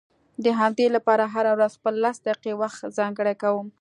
د همدې لپاره هره ورځ خپل لس دقيقې وخت ځانګړی کوم.